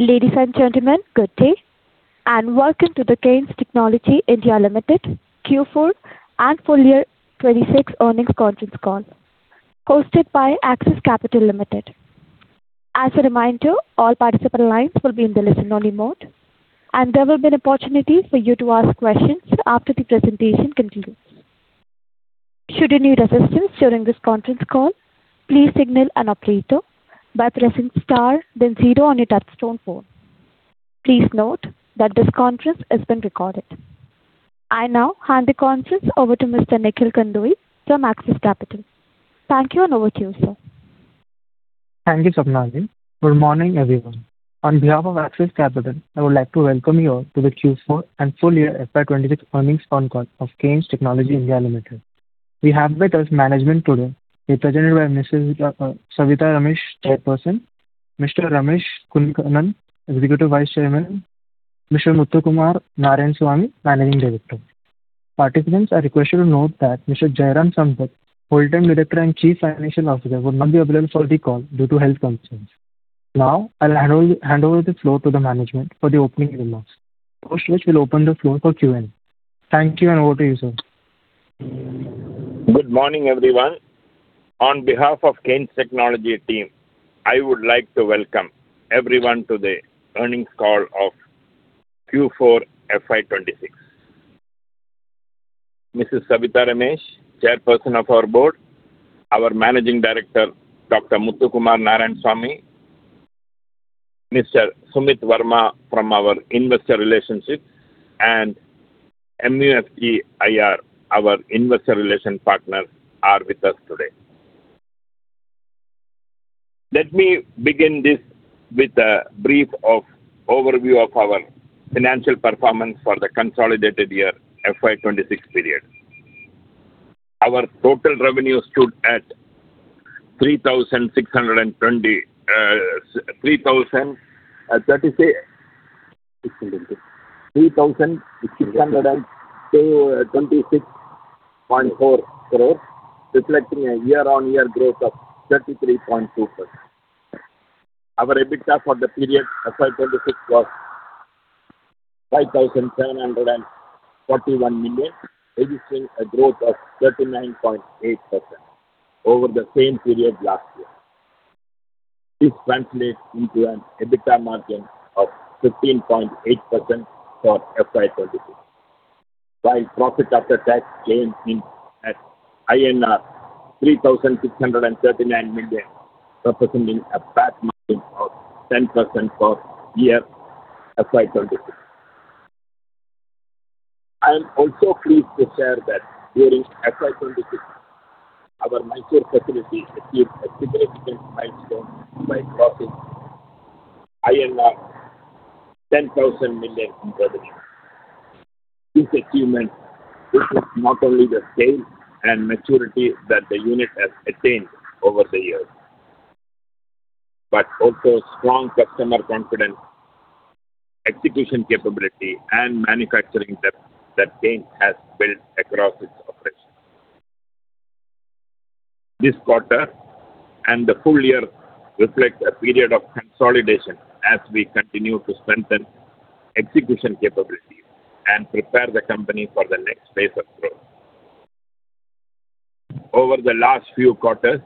Ladies and gentlemen, good day, and welcome to the Kaynes Technology India Limited Q4 and full year 2026 earnings conference call hosted by Axis Capital Limited. I now hand the conference over to Mr. Nikhil Kandoi from Axis Capital. Thank you and over to you, sir. Thank you, Sapna. Good morning, everyone. On behalf of Axis Capital, I would like to welcome you all to the Q4 and full year FY 2026 earnings con call of Kaynes Technology India Limited. We have with us management today represented by Mrs. Savitha Ramesh, Chairperson, Mr. Ramesh Kunhikannan, Executive Vice Chairman, Mr. Muthukumar Narayanaswamy, Managing Director. Participants are requested to note that Mr. Jairam Sampath, Whole-Time Director and Chief Financial Officer, will not be available for the call due to health concerns. I'll hand over the floor to the management for the opening remarks. After which we'll open the floor for Q&A. Thank you. Over to you, sir. Good morning, everyone. On behalf of Kaynes Technology team, I would like to welcome everyone to the earnings call of Q4 FY 2026. Mr. Savitha Ramesh, Chairperson of our board, our Managing Director, Mr. Muthukumar Narayanaswamy, Mr. Sumit Verma from our investor relations, and MUFG IR, our investor relations partner, are with us today. Let me begin this with a brief overview of our financial performance for the consolidated year FY 2026 period. Our total revenue stood at INR 3,602.264 crores, reflecting a year-on-year growth of 33.2%. Our EBITDA for the period FY 2026 was 5,741 million, registering a growth of 39.8% over the same period last year. This translates into an EBITDA margin of 15.8% for FY 2026. While profit after tax gained in at INR 3,639 million, representing a PAT margin of 10% for year FY 2026. I am also pleased to share that during FY 2026, our Mysore facility achieved a significant milestone by crossing 10,000 million in revenue. This achievement reflects not only the scale and maturity that the unit has attained over the years, but also strong customer confidence, execution capability, and manufacturing depth that Kaynes has built across its operations. This quarter and the full year reflect a period of consolidation as we continue to strengthen execution capabilities and prepare the company for the next phase of growth. Over the last few quarters,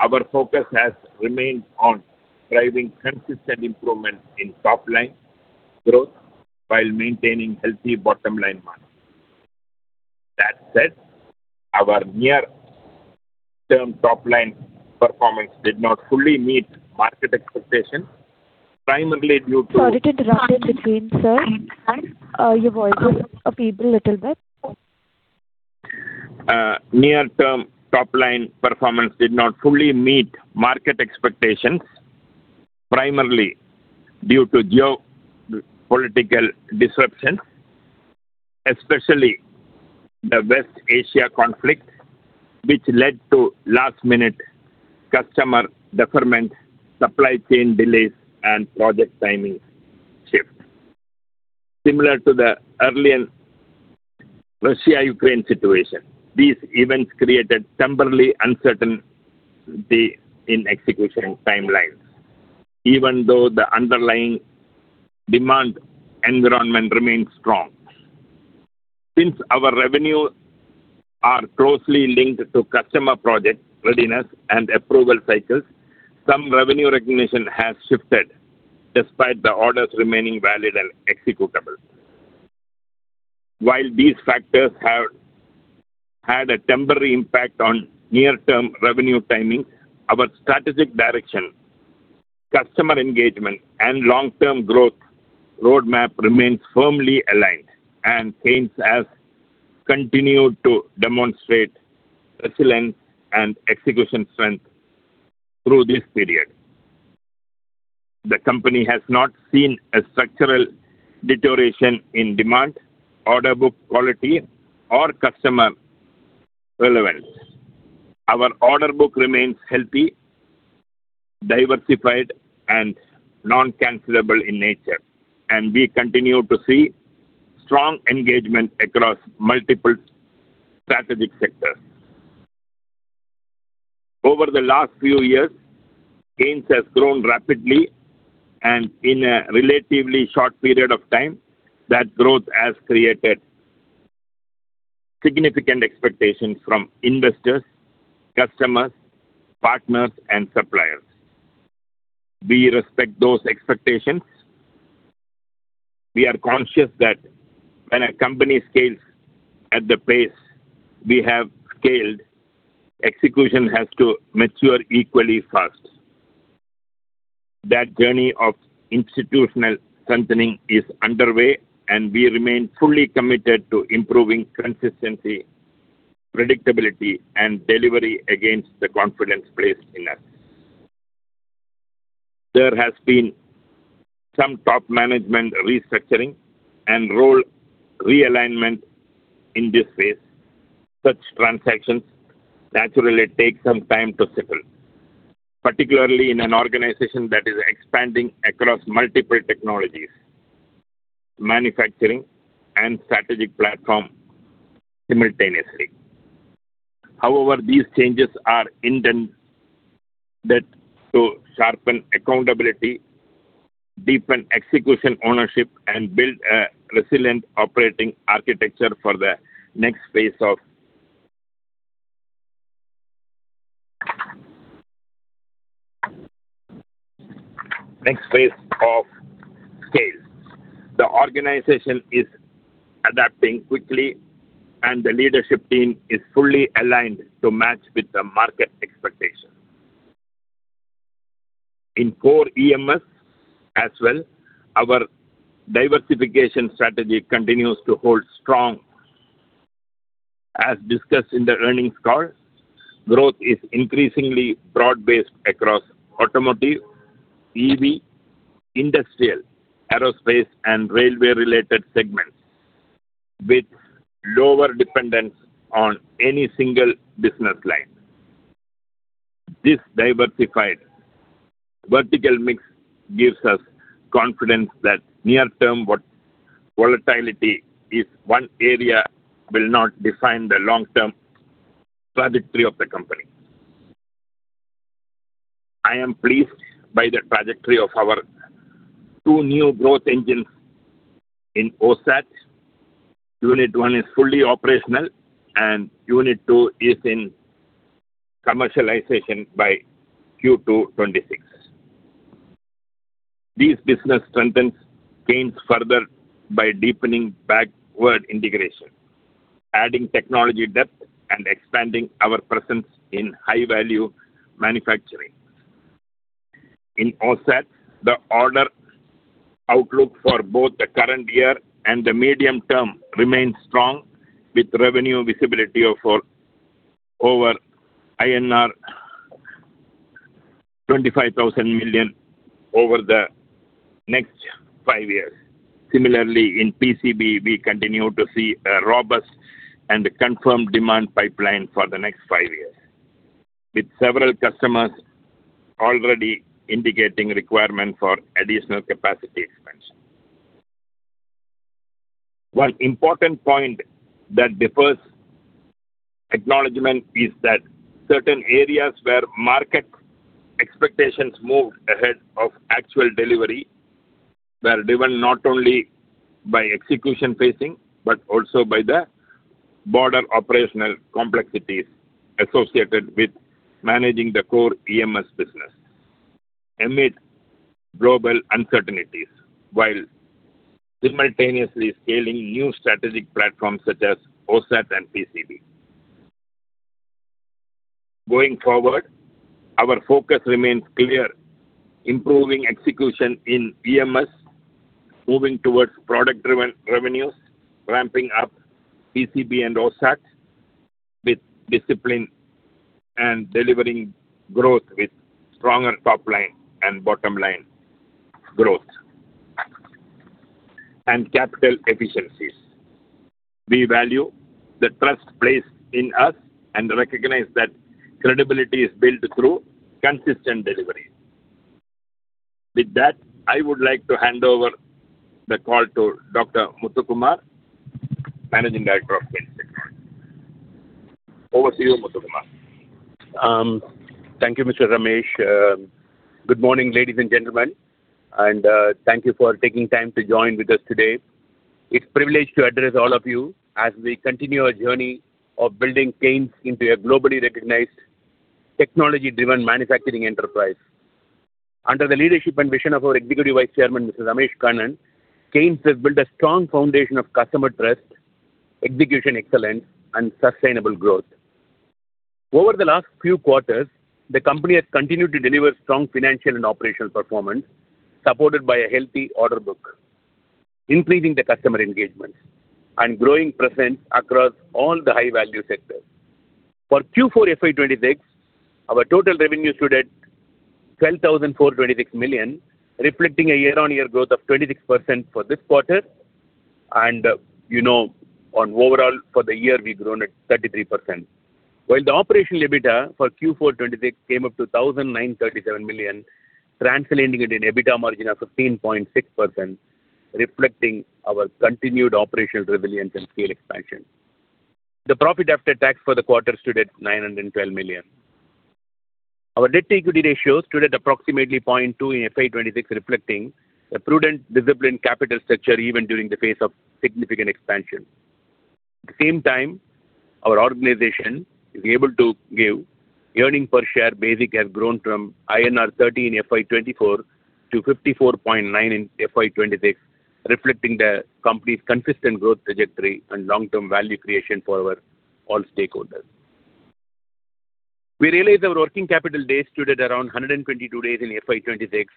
our focus has remained on driving consistent improvement in top line growth while maintaining healthy bottom line margin. That said, our near term top line performance did not fully meet market expectations, primarily due to. Sorry to interrupt in between, sir. Your voice was a bit little bit. Near term top line performance did not fully meet market expectations, primarily due to geopolitical disruptions, especially the West Asia conflict, which led to last-minute customer deferment, supply chain delays, and project timing shift. Similar to the earlier Russia-Ukraine situation, these events created temporary uncertainty in execution timelines, even though the underlying demand environment remains strong. Since our revenue are closely linked to customer project readiness and approval cycles, some revenue recognition has shifted despite the orders remaining valid and executable. While these factors have had a temporary impact on near-term revenue timing, our strategic direction, customer engagement, and long-term growth roadmap remains firmly aligned and Kaynes has continued to demonstrate resilience and execution strength through this period. The company has not seen a structural deterioration in demand, order book quality, or customer relevance. Our order book remains healthy, diversified, and non-cancellable in nature. We continue to see strong engagement across multiple strategic sectors. Over the last few years, Kaynes has grown rapidly and in a relatively short period of time that growth has created significant expectations from investors, customers, partners, and suppliers. We respect those expectations. We are conscious that when a company scales at the pace we have scaled, execution has to mature equally fast. That journey of institutional strengthening is underway. We remain fully committed to improving consistency, predictability, and delivery against the confidence placed in us. There has been some top management restructuring and role realignment in this phase. Such transactions naturally take some time to settle, particularly in an organization that is expanding across multiple technologies, manufacturing and strategic platform simultaneously. However, these changes are intended to sharpen accountability, deepen execution ownership, and build a resilient operating architecture for the next phase of scale. The leadership team is fully aligned to match with the market expectations. In core EMS as well, our diversification strategy continues to hold strong. As discussed in the earnings call, growth is increasingly broad-based across automotive, EV, industrial, aerospace, and railway-related segments with lower dependence on any single business line. This diversified vertical mix gives us confidence that near-term volatility is one area will not define the long-term trajectory of the company. I am pleased by the trajectory of our two new growth engines in OSAT. Unit 1 is fully operational, and Unit 2 is in commercialization by Q2 2026. This business strengthens gains further by deepening backward integration, adding technology depth, and expanding our presence in high-value manufacturing. In OSAT, the order outlook for both the current year and the medium term remains strong, with revenue visibility of over INR 25,000 million over the next five years. Similarly, in PCB we continue to see a robust and confirmed demand pipeline for the next five years, with several customers already indicating requirement for additional capacity expansion. One important point that deserves acknowledgement is that certain areas where market expectations moved ahead of actual delivery were driven not only by execution pacing, but also by the broader operational complexities associated with managing the core EMS business amid global uncertainties, while simultaneously scaling new strategic platforms such as OSAT and PCB. Going forward, our focus remains clear: improving execution in EMS, moving towards product-driven revenues, ramping up PCB and OSAT with discipline and delivering growth with stronger top line and bottom line growth and capital efficiencies. We value the trust placed in us and recognize that credibility is built through consistent delivery. With that, I would like to hand over the call to Dr. Muthukumar, Managing Director of Kaynes Electronics. Over to you, Muthukumar. Thank you, Mr. Ramesh. Good morning, ladies and gentlemen, thank you for taking time to join with us today. It's privilege to address all of you as we continue our journey of building Kaynes into a globally recognized technology-driven manufacturing enterprise. Under the leadership and vision of our Executive Vice Chairman, Mr. Ramesh Kunhikannan, Kaynes has built a strong foundation of customer trust, execution excellence, and sustainable growth. Over the last few quarters, the company has continued to deliver strong financial and operational performance, supported by a healthy order book, increasing the customer engagements and growing presence across all the high-value sectors. For Q4 FY 2026, our total revenue stood at 12,426 million, reflecting a year-on-year growth of 26% for this quarter. You know, on overall for the year, we've grown at 33%. While the operational EBITDA for Q4 2026 came up to 1,937 million, translating it in EBITDA margin of 15.6%. Reflecting our continued operational resilience and scale expansion. The profit after tax for the quarter stood at 912 million. Our debt-to-equity ratio stood at approximately 0.2 in FY 2026, reflecting a prudent, disciplined capital structure even during the phase of significant expansion. At the same time, earning per share basic has grown from INR 13 in FY 2024 to 54.9 in FY 2026, reflecting the company's consistent growth trajectory and long-term value creation for our all stakeholders. We realized our working capital days stood at around 122 days in FY 2026,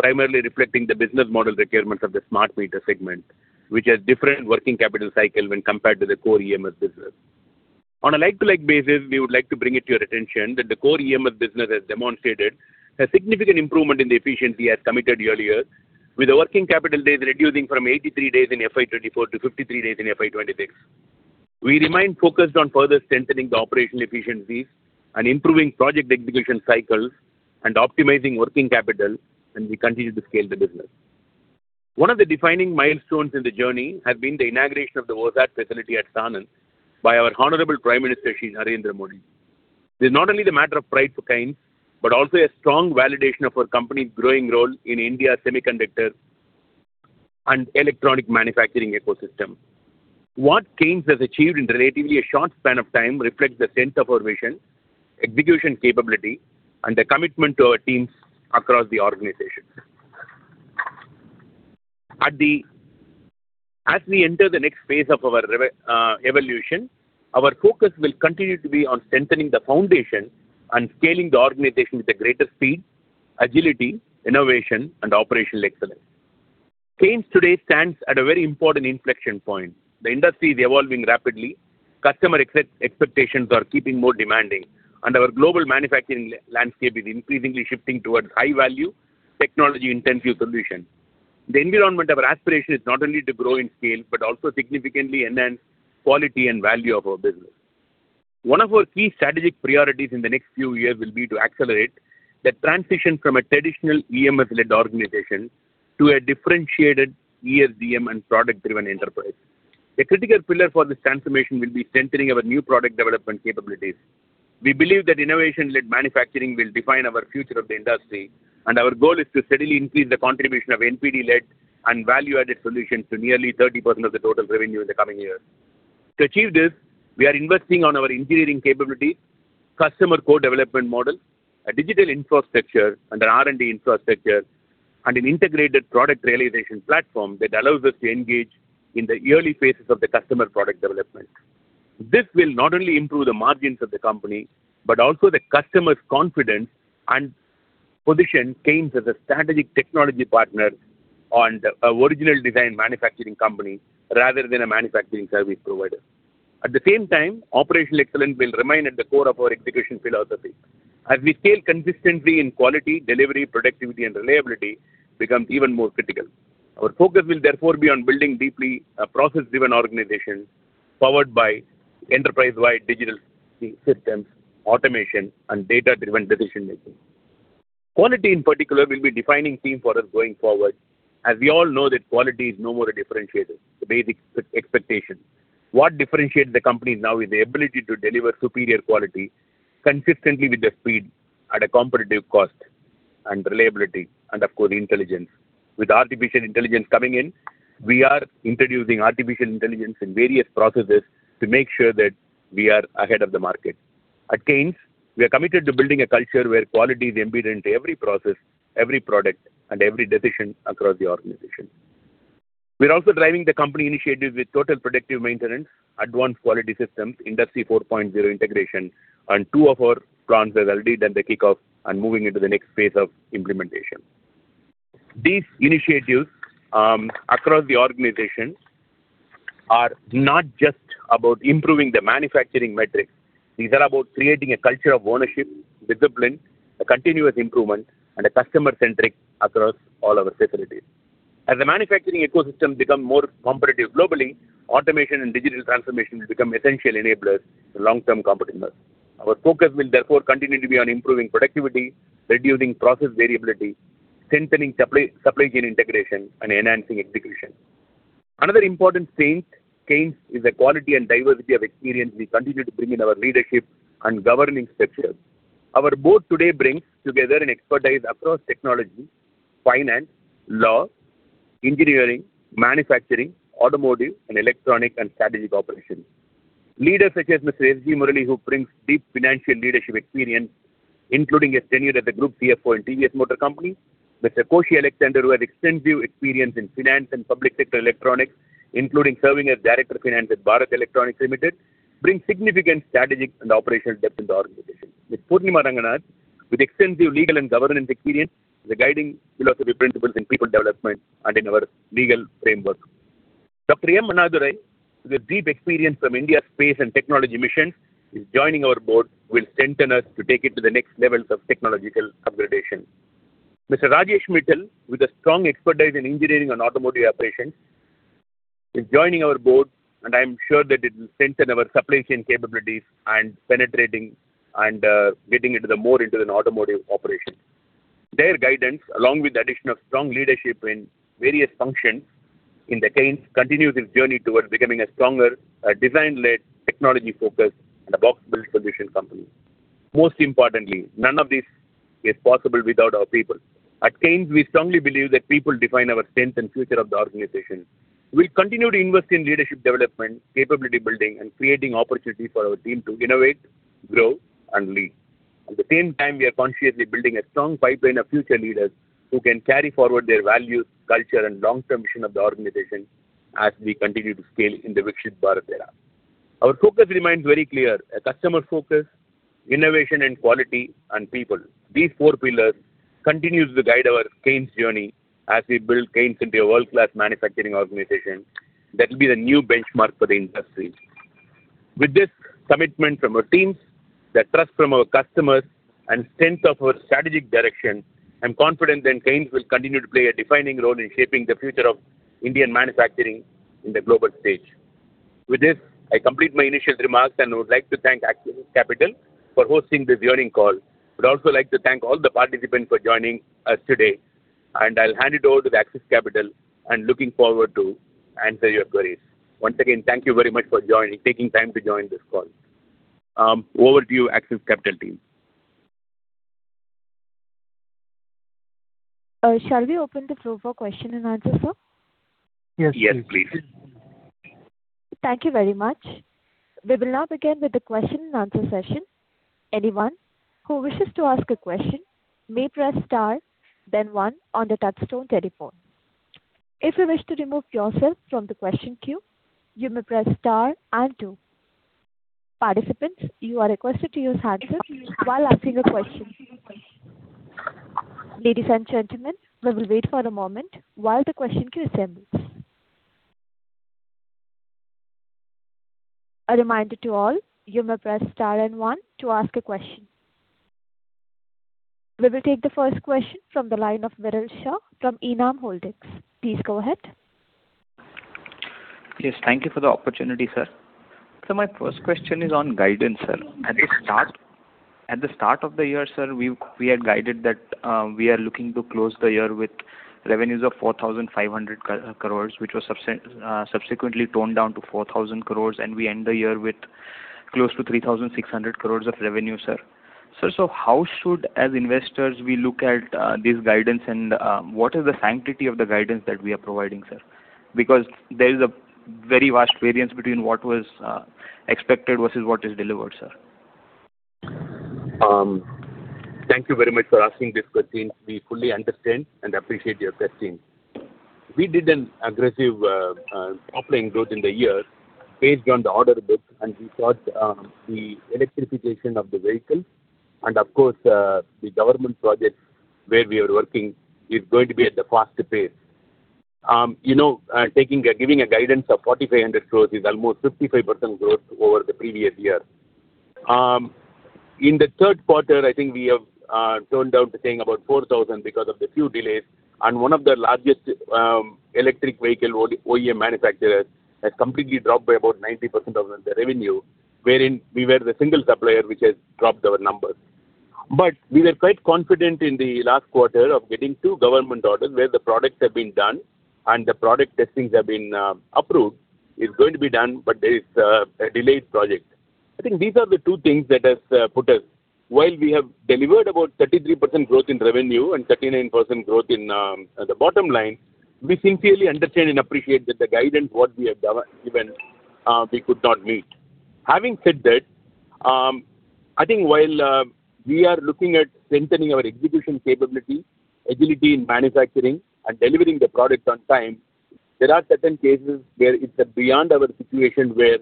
primarily reflecting the business model requirements of the Smart Meter segment, which has different working capital cycle when compared to the core EMS business. On a like-to-like basis, we would like to bring it to your attention that the core EMS business has demonstrated a significant improvement in the efficiency as committed earlier, with the working capital days reducing from 83 days in FY 2024 to 53 days in FY 2026. We remain focused on further strengthening the operational efficiencies and improving project execution cycles and optimizing working capital as we continue to scale the business. One of the defining milestones in the journey has been the inauguration of the OSAT facility at Sanand by our Honorable Prime Minister, Shri Narendra Modi. This is not only the matter of pride for Kaynes, but also a strong validation of our company's growing role in India's semiconductor and electronics manufacturing ecosystem. What Kaynes has achieved in relatively a short span of time reflects the strength of our vision, execution capability, and the commitment to our teams across the organization. As we enter the next phase of our evolution, our focus will continue to be on strengthening the foundation and scaling the organization with a greater speed, agility, innovation, and operational excellence. Kaynes today stands at a very important inflection point. The industry is evolving rapidly, customer expectations are keeping more demanding, and our global manufacturing landscape is increasingly shifting towards high-value, technology-intensive solutions. The environment of our aspiration is not only to grow in scale, but also significantly enhance quality and value of our business. One of our key strategic priorities in the next few years will be to accelerate the transition from a traditional EMS-led organization to a differentiated ESDM and product-driven enterprise. A critical pillar for this transformation will be centering our new product development capabilities. We believe that innovation-led manufacturing will define our future of the industry, and our goal is to steadily increase the contribution of NPD-led and value-added solutions to nearly 30% of the total revenue in the coming years. To achieve this, we are investing on our engineering capability, customer co-development model, a digital infrastructure, and an R&D infrastructure, and an integrated product realization platform that allows us to engage in the early phases of the customer product development. This will not only improve the margins of the company, but also the customer's confidence and position Kaynes as a strategic technology partner and a original design manufacturing company rather than a manufacturing service provider. At the same time, operational excellence will remain at the core of our execution philosophy. As we scale consistently in quality, delivery, productivity, and reliability becomes even more critical. Our focus will therefore be on building deeply a process-driven organization powered by enterprise-wide digital systems, automation, and data-driven decision-making. Quality, in particular, will be a defining theme for us going forward, as we all know that quality is no more a differentiator. It's a basic ex-expectation. What differentiates the company now is the ability to deliver superior quality consistently with the speed at a competitive cost and reliability, and of course, intelligence. With artificial intelligence coming in, we are introducing artificial intelligence in various processes to make sure that we are ahead of the market. At Kaynes, we are committed to building a culture where quality is embedded into every process, every product, and every decision across the organization. We are also driving the company initiatives with total productive maintenance, advanced quality systems, Industry 4.0 integration on two of our plants as well. They done the kickoff and moving into the next phase of implementation. These initiatives across the organization are not just about improving the manufacturing metrics. These are about creating a culture of ownership, discipline, a continuous improvement, and a customer-centric across all our facilities. As the manufacturing ecosystem become more competitive globally, automation and digital transformation will become essential enablers to long-term competitiveness. Our focus will continue to be on improving productivity, reducing process variability, strengthening supply chain integration, and enhancing execution. Another important strength, Kaynes, is the quality and diversity of experience we continue to bring in our leadership and governing structure. Our board today brings together an expertise across technology, finance, law, engineering, manufacturing, automotive, and electronic and strategic operations. Leaders such as Mr. S.G. Murali, who brings deep financial leadership experience, including a tenure at the Group CFO in TVS Motor Company. Mr. Koshy Alexander, who has extensive experience in finance and public sector electronics, including serving as Director of Finance at Bharat Electronics Limited, bring significant strategic and operational depth in the organization. With Poornima Ranganath, with extensive legal and governance experience, the guiding philosophy principles in people development and in our legal framework. Dr. M. Annadurai, with deep experience from India's space and technology missions, is joining our board, will strengthen us to take it to the next levels of technological upgradation. Mr. Rajesh Mittal, with a strong expertise in engineering and automotive operations is joining our board, and I'm sure that it will strengthen our supply chain capabilities and penetrating and getting into the more into an automotive operation. Their guidance, along with the addition of strong leadership in various functions in the Kaynes continues its journey towards becoming a stronger, design-led, technology-focused and a box build solution company. Most importantly, none of this is possible without our people. At Kaynes, we strongly believe that people define our strength and future of the organization. We continue to invest in leadership development, capability building, and creating opportunities for our team to innovate, grow, and lead. At the same time, we are consciously building a strong pipeline of future leaders who can carry forward their values, culture, and long-term mission of the organization as we continue to scale in the Viksit Bharat era. Our focus remains very clear: a customer focus, innovation and quality, and people. These four pillars continues to guide our Kaynes journey as we build Kaynes into a world-class manufacturing organization that will be the new benchmark for the industry. With this commitment from our teams, the trust from our customers, and strength of our strategic direction, I'm confident that Kaynes will continue to play a defining role in shaping the future of Indian manufacturing in the global stage. With this, I complete my initial remarks. I would like to thank Axis Capital for hosting this earning call. I would also like to thank all the participants for joining us today, I'll hand it over to the Axis Capital and looking forward to answer your queries. Once again, thank you very much for joining, taking time to join this call. Over to you, Axis Capital team. Shall we open the floor for question and answer, sir? Yes, please. Thank you very much. We will now begin with the question and answer session. Anyone who wishes to ask a question may press star then one on the touch-tone telephone. If you wish to remove yourself from the question queue, you may press star and two. Participants, you are requested to use handset while asking a question. Ladies and gentlemen, we will wait for a moment while the question queue assembles. A reminder to all, you may press star and one to ask a question. We will take the first question from the line of Viral Shah from Enam Holdings. Please go ahead. Yes. Thank you for the opportunity, sir. My first question is on guidance, sir. At the start of the year, sir, we had guided that we are looking to close the year with revenues of 4,500 crores, which was subsequently toned down to 4,000 crores, and we end the year with close to 3,600 crores of revenue, sir. Sir, how should, as investors, we look at this guidance and what is the sanctity of the guidance that we are providing, sir? Because there is a very vast variance between what was expected versus what is delivered, sir. Thank you very much for asking this question. We fully understand and appreciate your question. We did an aggressive top line growth in the year based on the order book. We thought the electrification of the vehicle and of course, the government projects where we are working is going to be at the faster pace. You know, giving a guidance of 4,500 crore is almost 55% growth over the previous year. In the third quarter, I think we have toned down to saying about 4,000 crore because of the few delays. One of the largest electric vehicle OEM manufacturers has completely dropped by about 90% of their revenue, wherein we were the single supplier which has dropped our numbers. We were quite confident in the last quarter of getting two government orders where the products have been done and the product testings have been approved. It is going to be done, but there is a delayed project. I think these are the two things that has put us. While we have delivered about 33% growth in revenue and 39% growth in the bottom line, we sincerely understand and appreciate that the guidance what we have given, we could not meet. Having said that, I think while we are looking at strengthening our execution capability, agility in manufacturing, and delivering the products on time, there are certain cases where it is beyond our situation where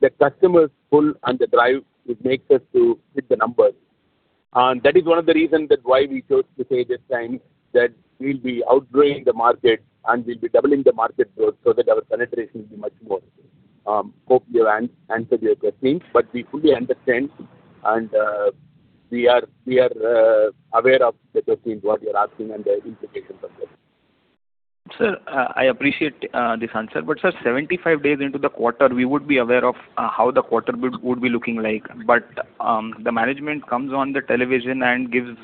the customers pull and the drive which makes us to hit the numbers. That is one of the reason that why we chose to say this time that we'll be outgrowing the market and we'll be doubling the market growth so that our penetration will be much more. Hope we have answered your question, but we fully understand and we are aware of the question what you're asking and the implications of that. Sir, I appreciate this answer. Sir, 75 days into the quarter, we would be aware of how the quarter build would be looking like. The management comes on the television and gives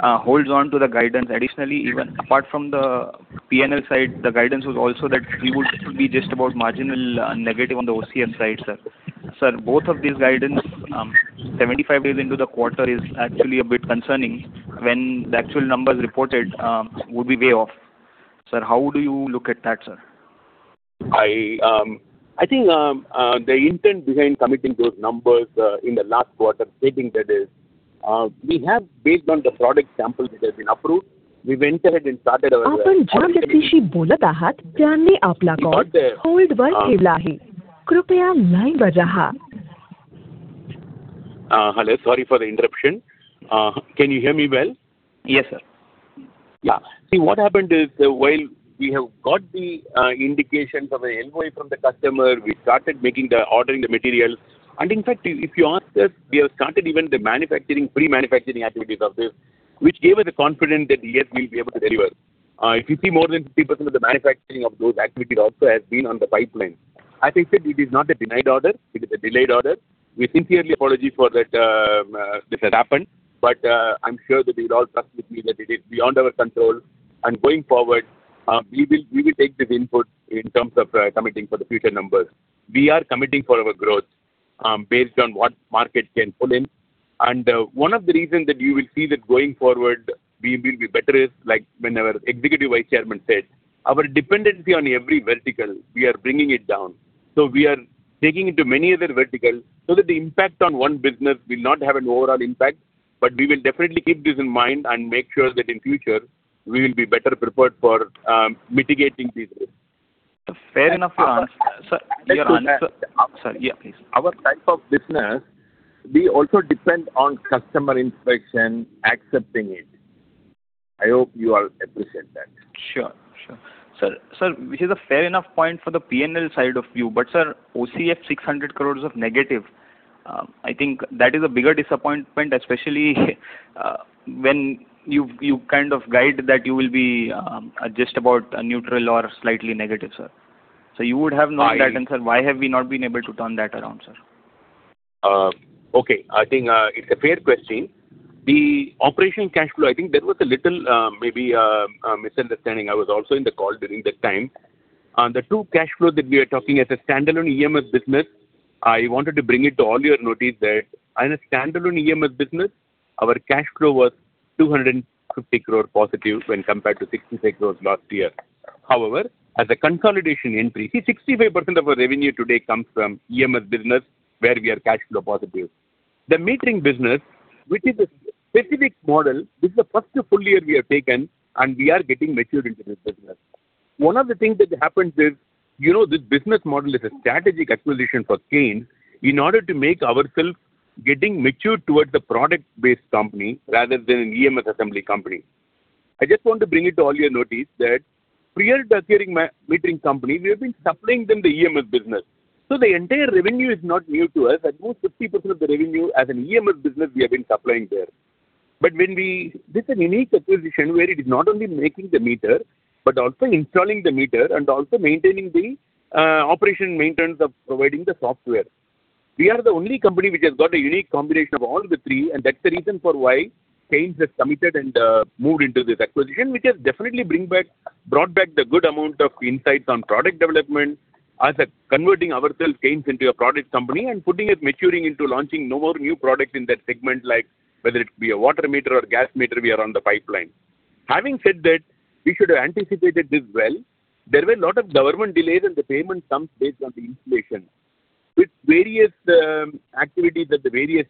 holds on to the guidance. Additionally, even apart from the P&L side, the guidance was also that we would be just about marginal negative on the OCF side, sir. Sir, both of these guidance, 75 days into the quarter is actually a bit concerning when the actual numbers reported would be way off. Sir, how do you look at that, sir? I think the intent behind committing those numbers in the last quarter stating that is, we have based on the product sample which has been approved, we went ahead and started. Hello. Sorry for the interruption. Can you hear me well? Yes, sir. Yeah. See, what happened is while we have got the indications of an LOI from the customer, we started making the ordering the material. In fact, if you ask us, we have started even the manufacturing, pre-manufacturing activities of this. Which gave us the confidence that yes, we'll be able to deliver. If you see more than 50% of the manufacturing of those activities also has been on the pipeline. As I said, it is not a denied order, it is a delayed order. We sincerely apology for that, this has happened, I'm sure that you will all trust with me that it is beyond our control. Going forward, we will take this input in terms of committing for the future numbers. We are committing for our growth, based on what market can pull in. One of the reasons that you will see that going forward we will be better is like when our Executive Vice Chairman said, our dependency on every vertical, we are bringing it down. We are taking it to many other verticals so that the impact on one business will not have an overall impact. We will definitely keep this in mind and make sure that in future we will be better prepared for mitigating these risks. Fair enough, your answer. Sir, your answer. Sorry. Yeah, please. Our type of business, we also depend on customer inspection accepting it. I hope you all appreciate that. Sure. Sure. Sir, sir, which is a fair enough point for the P&L side of view. Sir, OCF 600 crores of negative, I think that is a bigger disappointment, especially when you kind of guide that you will be just about neutral or slightly negative, sir. You would have known that. I. Sir, why have we not been able to turn that around, sir? Okay. I think it's a fair question. The operational cash flow, I think there was a little, maybe, a misunderstanding. I was also in the call during that time. The two cash flows that we are talking as a standalone EMS business, I wanted to bring it to all your notice that as a standalone EMS business, our cash flow was 250 crore positive when compared to 66 crore last year. As a consolidation entry, see 65% of our revenue today comes from EMS business, where we are cash flow positive. The metering business, which is a specific model, this is the first full year we have taken, and we are getting matured into this business. One of the things that happens is, you know, this business model is a strategic acquisition for Kaynes in order to make ourselves getting matured towards a product-based company rather than an EMS assembly company. I just want to bring it to all your notice that prior to acquiring metering company, we have been supplying them the EMS business. The entire revenue is not new to us. About 50% of the revenue as an EMS business we have been supplying there. This is a unique acquisition where it is not only making the meter, but also installing the meter and also maintaining the operation maintenance of providing the software. We are the only company which has got a unique combination of all the three, and that's the reason for why Kaynes has committed and moved into this acquisition, which has definitely brought back the good amount of insights on product development as a converting ourselves Kaynes into a product company and putting it maturing into launching no more new products in that segment like whether it be a water meter or gas meter, we are on the pipeline. Having said that, we should have anticipated this well. There were a lot of government delays and the payment sums based on the installation. With various activity that the various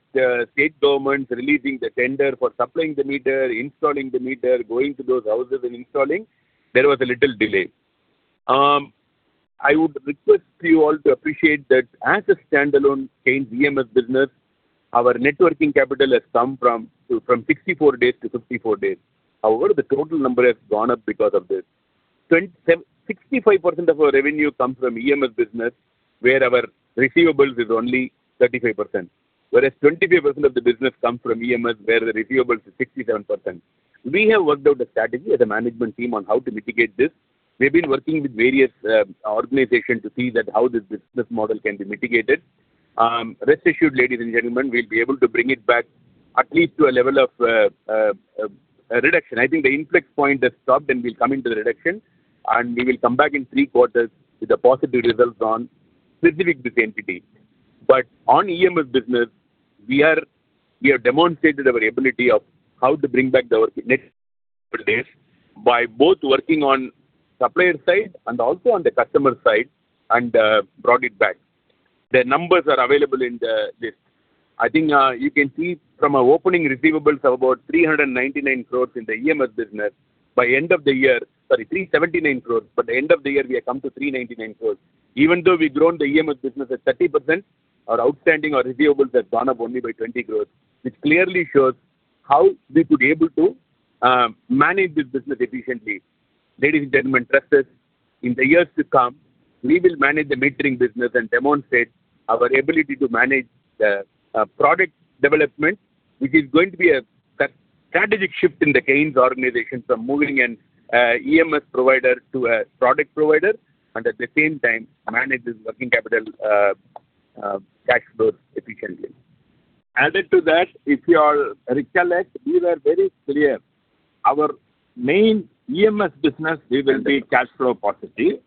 state governments releasing the tender for supplying the meter, installing the meter, going to those houses and installing, there was a little delay. I would request you all to appreciate that as a standalone Kaynes EMS business, our networking capital has come from 64 days to 54 days. However, the total number has gone up because of this. 65% of our revenue comes from EMS business, where our receivables is only 35%. Whereas 25% of the business comes from EMS, where the receivables is 67%. We have worked out a strategy as a management team on how to mitigate this. We've been working with various organizations to see that how this business model can be mitigated. Rest assured, ladies and gentlemen, we'll be able to bring it back at least to a level of a reduction. I think the inflection point has stopped. We'll come into the reduction. We will come back in three quarters with the positive results on specific business entity. On EMS business, we have demonstrated our ability of how to bring back our next couple days by both working on supplier side and also on the customer side, brought it back. The numbers are available in this. I think, you can see from our opening receivables of about 399 crores in the EMS business, by end of the year Sorry, 379 crores, by the end of the year we have come to 399 crores. Even though we've grown the EMS business at 30%, our receivables has gone up only by 20 crores, which clearly shows how we could able to manage this business efficiently. Ladies and gentlemen, trust us, in the years to come, we will manage the metering business and demonstrate our ability to manage the product development, which is going to be a strategic shift in the Kaynes organization from moving an EMS provider to a product provider, and at the same time manage this working capital cash flows efficiently. Added to that, if you all recollect, we were very clear. Our main EMS business, we will be cash flow positive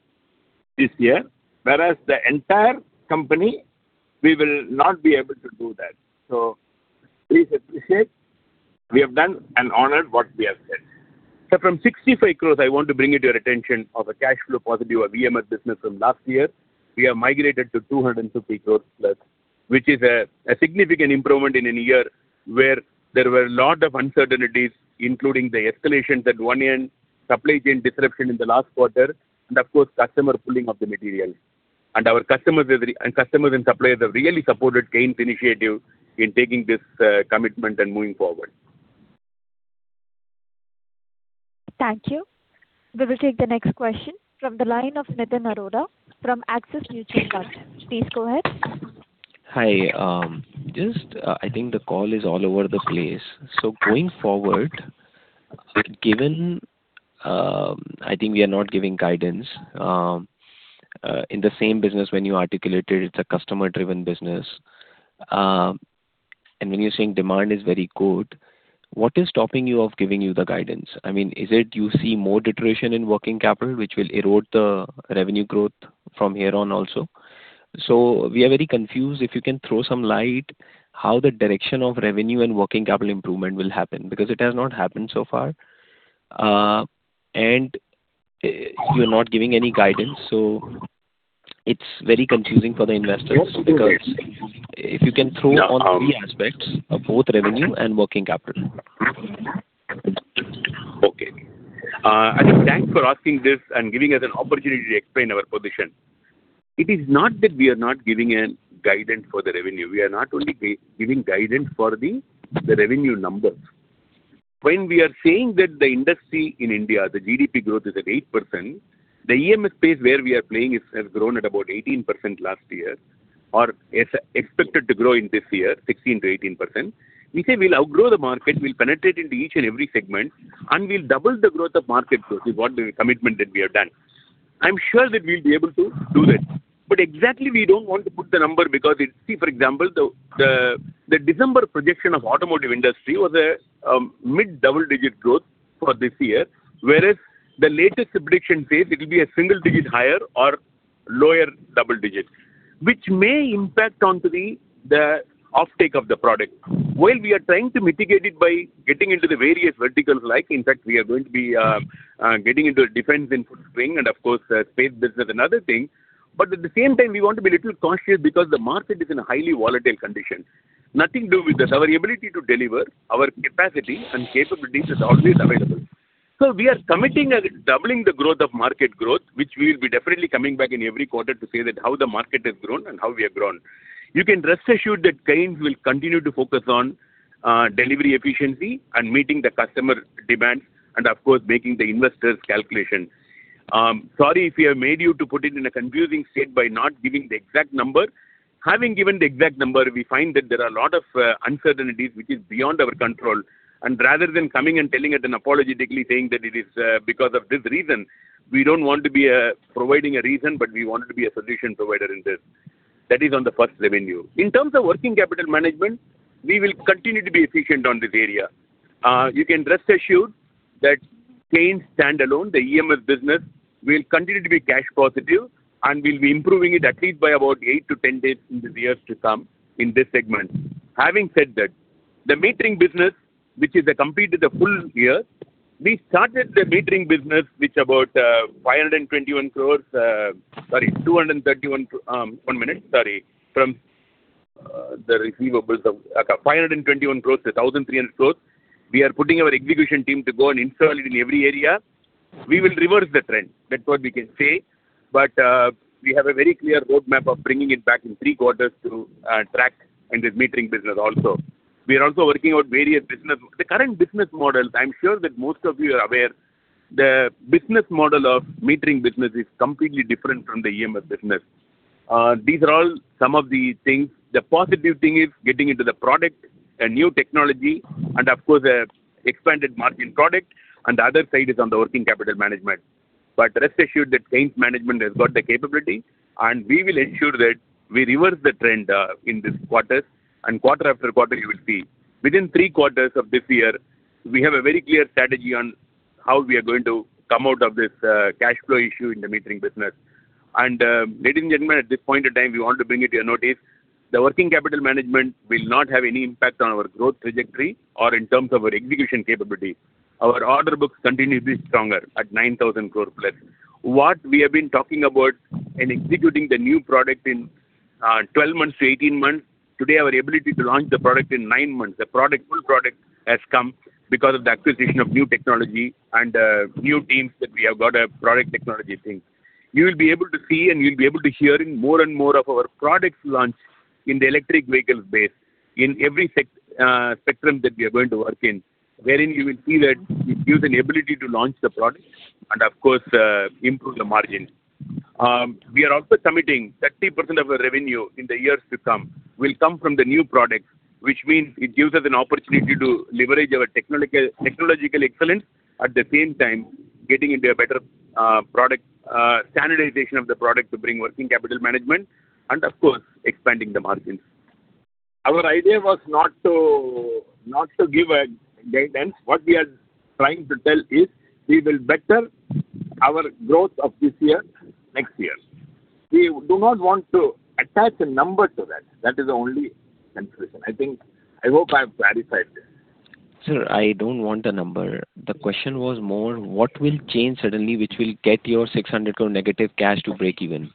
this year, whereas the entire company, we will not be able to do that. Please appreciate we have done and honored what we have said. From 65 crores, I want to bring it to your attention of a cash flow positive of EMS business from last year. We have migrated to 250+ crores, which is a significant improvement in a year where there were lot of uncertainties, including the escalations at one end, supply chain disruption in the last quarter, of course, customer pulling of the material. Our customers and suppliers have really supported Kaynes initiative in taking this commitment and moving forward. Thank you. We will take the next question from the line of Nitin Arora from Axis Mutual Fund. Please go ahead. Hi. Just, I think the call is all over the place. Going forward, given I think we are not giving guidance in the same business when you articulated it's a customer-driven business, and when you're saying demand is very good, what is stopping you of giving you the guidance? I mean, is it you see more deterioration in working capital, which will erode the revenue growth from here on also? We are very confused. If you can throw some light how the direction of revenue and working capital improvement will happen, because it has not happened so far. You're not giving any guidance, so it's very confusing for the investors. Because if you can throw on three aspects of both revenue and working capital. Okay. I think thanks for asking this and giving us an opportunity to explain our position. It is not that we are not giving a guidance for the revenue. We are not only giving guidance for the revenue numbers. When we are saying that the industry in India, the GDP growth is at 8%, the EMS space where we are playing is, has grown at about 18% last year, or is expected to grow in this year 16%-18%. We say we'll outgrow the market, we'll penetrate into each and every segment, and we'll double the growth of market growth is what the commitment that we have done. I'm sure that we'll be able to do that. Exactly we don't want to put the number because it. See, for example, the December projection of automotive industry was a mid-double-digit growth for this year, whereas the latest prediction says it will be a single digit higher or lower double digit, which may impact onto the off-take of the product. While we are trying to mitigate it by getting into the various verticals, like in fact we are going to be getting into a defense in full swing, and of course the space business, another thing. At the same time we want to be a little cautious because the market is in a highly volatile condition. Nothing to do with that. Our ability to deliver, our capacity and capabilities is always available. We are committing at doubling the growth of market growth, which we will be definitely coming back in every quarter to say that how the market has grown and how we have grown. You can rest assured that Kaynes will continue to focus on delivery efficiency and meeting the customer demand and of course making the investors' calculation. Sorry if we have made you to put it in a confusing state by not giving the exact number. Having given the exact number, we find that there are a lot of uncertainties which is beyond our control. Rather than coming and telling it and apologetically saying that it is because of this reason, we don't want to be providing a reason, but we wanted to be a solution provider in this. That is on the first revenue. In terms of working capital management, we will continue to be efficient on this area. You can rest assured that Kaynes standalone, the EMS business, will continue to be cash positive, and we'll be improving it at least by about eight to 10 days in the years to come in this segment. The metering business, which is a completed a full year, we started the metering business, which about 521 crores, sorry, 231, one minute, sorry. The receivables of, okay, 521 crores to 1,300 crores. We are putting our execution team to go and install it in every area. We will reverse the trend. That's what we can say. We have a very clear roadmap of bringing it back in three quarters to track in this metering business also. We are also working out various business. The current business models, I'm sure that most of you are aware, the business model of metering business is completely different from the EMS business. These are all some of the things. The positive thing is getting into the product, a new technology, and of course a expanded margin product, and the other side is on the working capital management. Rest assured that Kaynes management has got the capability, and we will ensure that we reverse the trend in this quarters, and quarter after quarter you will see. Within three quarters of this year, we have a very clear strategy on how we are going to come out of this cash flow issue in the metering business. Ladies and gentlemen, at this point of time, we want to bring it to your notice the working capital management will not have any impact on our growth trajectory or in terms of our execution capability. Our order books continue to be stronger at 9,000+ crore. What we have been talking about and executing the new product in 12-18 months, today our ability to launch the product in nine months. The product, full product has come because of the acquisition of new technology and new teams that we have got a product technology thing. You will be able to see and you'll be able to hear in more and more of our products launch in the electric vehicles base in every spectrum that we are going to work in. Wherein you will see that it gives an ability to launch the product and of course, improve the margin. We are also committing 30% of our revenue in the years to come will come from the new products, which means it gives us an opportunity to leverage our technological excellence. At the same time, getting into a better product standardization of the product to bring working capital management and of course expanding the margins. Our idea was not to give a guidance. What we are trying to tell is we will better our growth of this year, next year. We do not want to attach a number to that. That is the only consideration. I hope I have clarified this. Sir, I don't want a number. The question was more what will change suddenly which will get your 600 crore negative cash to break even?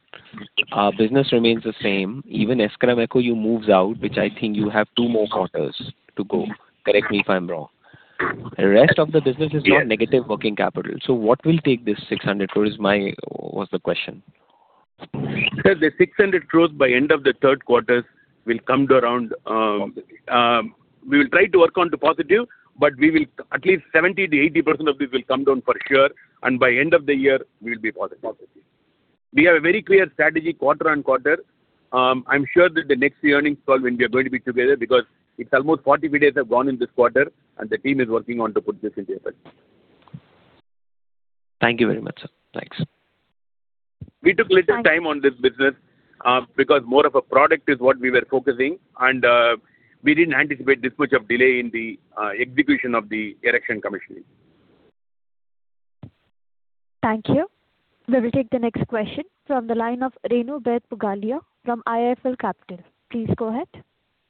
Business remains the same. Even Iskraemeco you moves out, which I think you have two more quarters to go. Correct me if I'm wrong. Rest of the business is not negative working capital. What will take this 600 crore is my was the question. Sir, the 600 crores by end of the third quarter will come to around. Positive. We will try to work on to positive, but we will at least 70%-80% of this will come down for sure, and by end of the year we'll be positive. Positive. We have a very clear strategy quarter on quarter. I'm sure that the next earnings call when we are going to be together because it's almost 45 days have gone in this quarter and the team is working on to put this into effect. Thank you very much, sir. Thanks. We took a little time. Thanks. On this business, because more of a product is what we were focusing and, we didn't anticipate this much of delay in the execution of the erection commissioning. Thank you. We will take the next question from the line of Renu Baid Pugalia from IIFL Capital. Please go ahead.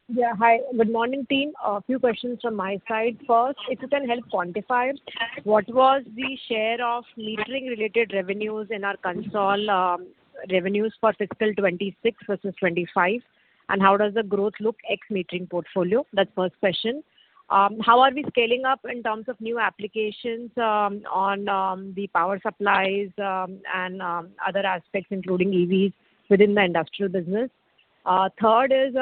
Yeah, hi. Good morning, team. A few questions from my side. First, if you can help quantify what was the share of metering related revenues in our consolidated revenues for fiscal 2026 versus 2025, and how does the growth look ex metering portfolio? That's first question. How are we scaling up in terms of new applications on the power supplies and other aspects including EVs within the industrial business? Third is,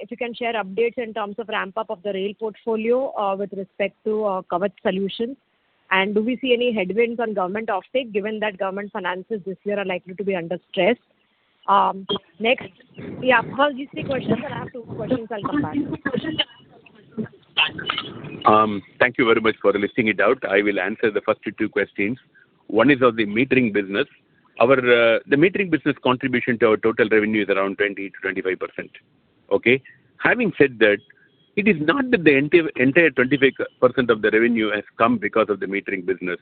if you can share updates in terms of ramp up of the rail portfolio with respect to Kavach solutions. Do we see any headwinds on government offtake, given that government finances this year are likely to be under stress? First these three questions, then I have two questions I'll combine. Thank you very much for listing it out. I will answer the first two questions. One is of the metering business. Our the metering business contribution to our total revenue is around 20%-25%. Okay. Having said that, it is not that the entire 25% of the revenue has come because of the metering business.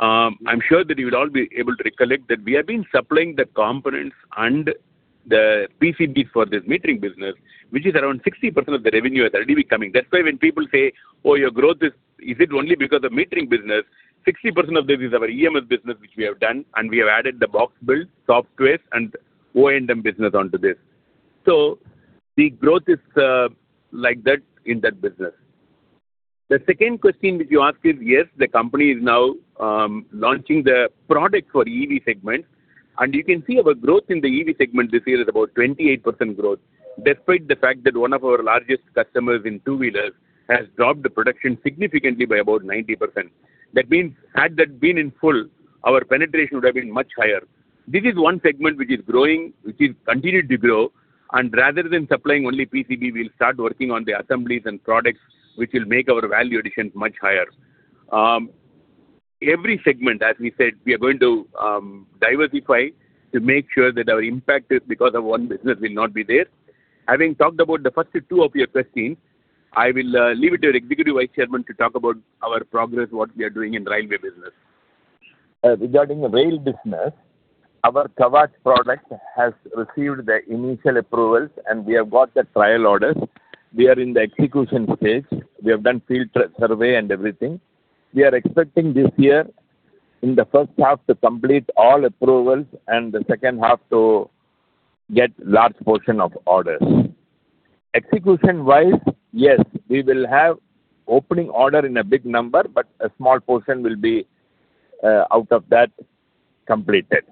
I'm sure that you will all be able to recollect that we have been supplying the components and the PCB for this metering business, which is around 60% of the revenue is already coming. That's why when people say, "Oh, your growth Is it only because of metering business?" 60% of this is our EMS business which we have done, and we have added the box build softwares and O&M business onto this. The growth is, like that in that business. The second question which you ask is, yes, the company is now launching the product for EV segment. You can see our growth in the EV segment this year is about 28% growth, despite the fact that one of our largest customers in two-wheelers has dropped the production significantly by about 90%. That means, had that been in full, our penetration would have been much higher. This is one segment which is growing, which will continue to grow, and rather than supplying only PCB, we'll start working on the assemblies and products which will make our value additions much higher. Every segment, as we said, we are going to diversify to make sure that our impact is because of one business will not be there. Having talked about the first two of your questions, I will leave it to our Executive Vice Chairman to talk about our progress, what we are doing in railway business. Regarding the rail business, our Kavach product has received the initial approvals. We have got the trial orders. We are in the execution phase. We have done field survey and everything. We are expecting this year in the first half to complete all approvals. The second half to get large portion of orders. Execution-wise, yes, we will have opening order in a big number. A small portion will be out of that completed.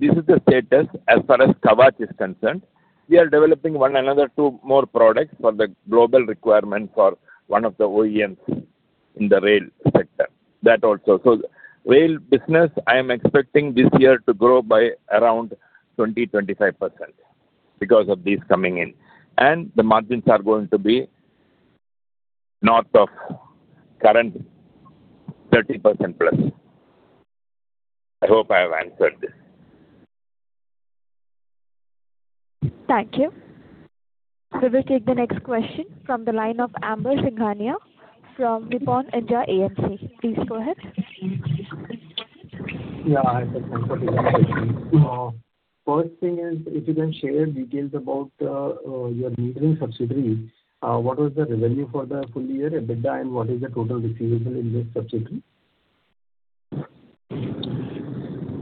This is the status as far as Kavach is concerned. We are developing one another two more products for the global requirement for one of the OEMs in the rail sector. That also. Rail business, I am expecting this year to grow by around 20%-25% because of these coming in. The margins are going to be north of current 30%+. I hope I have answered this. Thank you. We will take the next question from the line of Amber Singhania from Nippon India AMC. Please go ahead. I have a couple of questions. First thing is if you can share details about your metering subsidiary. What was the revenue for the full year EBITDA, and what is the total receivables in this subsidiary?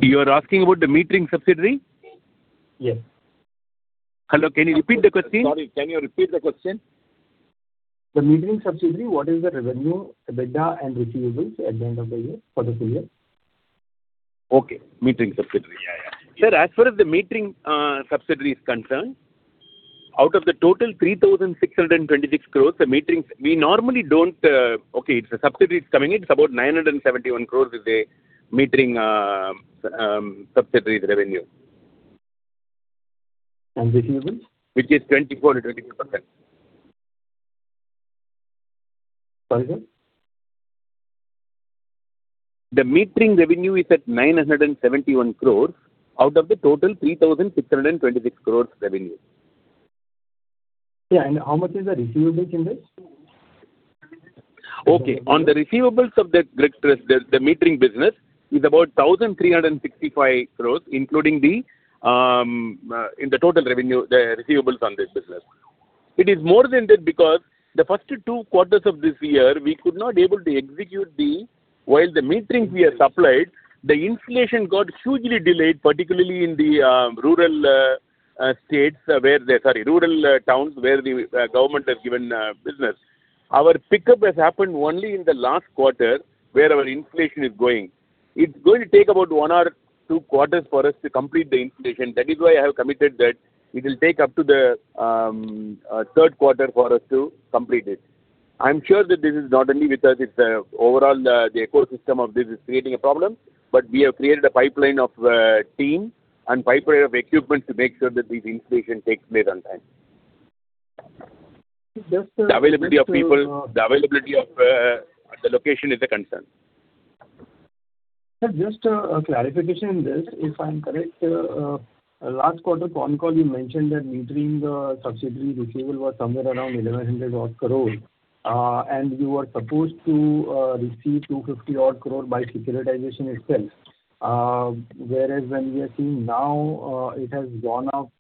You are asking about the metering subsidiary? Yes. Hello, can you repeat the question? Sorry, can you repeat the question? The metering subsidiary, what is the revenue, EBITDA and receivables at the end of the year for the full year? Okay. Metering subsidiary. Yeah. Yeah. Sir, as far as the metering subsidiary is concerned, out of the total 3,626 crores, Okay, it's a subsidiary, it's coming in. It's about 971 crores is the metering subsidiary's revenue. Receivables? Which is 24%-23%. Pardon? The metering revenue is at 971 crores out of the total 3,626 crores revenue. Yeah, how much is the receivables in this? Okay. On the receivables of the metering business is about 1,365 crore, including the in the total revenue, the receivables on this business. It is more than that because the first two quarters of this year, we could not able to execute While the metering we have supplied, the installation got hugely delayed, particularly in the rural states where the, sorry, rural towns where the government has given business. Our pickup has happened only in the last quarter where our installation is going. It's going to take about one or two quarters for us to complete the installation. That is why I have committed that it will take up to the third quarter for us to complete it. I'm sure that this is not only with us, it's overall the ecosystem of this is creating a problem, but we have created a pipeline of team and pipeline of equipment to make sure that this installation takes place on time. Just. The availability of people, the availability of at the location is a concern. Sir, just a clarification in this. If I'm correct, last quarter con call you mentioned that metering subsidiary receivable was somewhere around 1,100 odd crore, and you were supposed to receive 250 odd crore by securitization itself. Whereas when we are seeing now, it has gone up.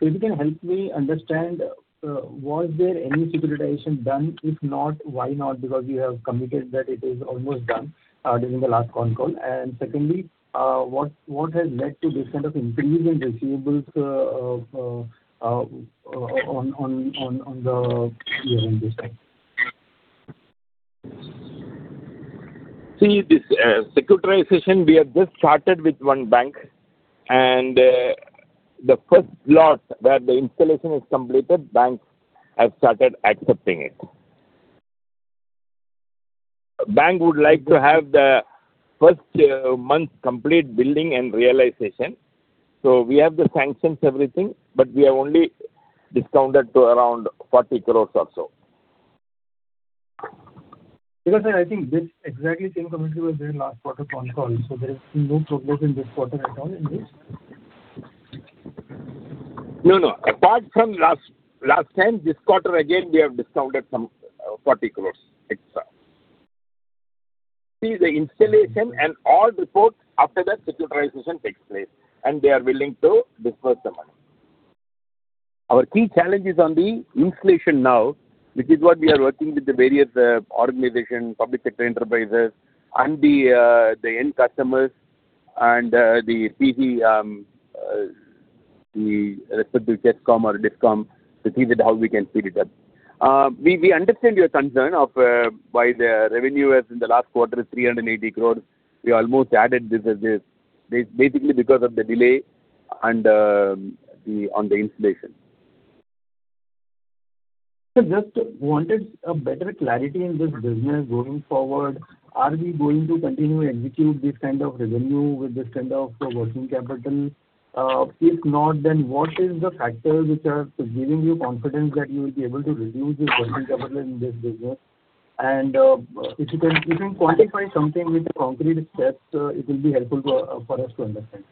If you can help me understand, was there any securitization done? If not, why not? Because you have committed that it is almost done during the last con call. Secondly, what has led to this kind of increase in receivables on the year-end this time? See, this securitization we have just started with one bank and the first lot where the installation is completed, banks have started accepting it. Bank would like to have the first month complete billing and realization. We have the sanctions everything, but we have only discounted to around 40 crores or so. Sir, I think this exactly same comment you have made last quarter con call. There is no progress in this quarter at all in this? No, no. Apart from last time, this quarter again we have discounted some 40 crores extra. See the installation and all reports after that securitization takes place. They are willing to disperse the money. Our key challenge is on the installation now, which is what we are working with the various organization, public sector enterprises and the end customers and the CE, the respective Transco or Discom to see that how we can speed it up. We understand your concern of why the revenue as in the last quarter is 380 crores. We almost added this as this, basically because of the delay and on the installation. Sir, just wanted a better clarity in this business going forward. Are we going to continue execute this kind of revenue with this kind of working capital? If not, what is the factor which are giving you confidence that you will be able to reduce this working capital in this business? If you can quantify something with concrete steps, it will be helpful for us to understand.